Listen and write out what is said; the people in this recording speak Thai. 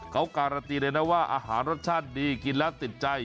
เขาการันตีเลยนะว่าอาหารรสชาติดีกินแล้วติดใจ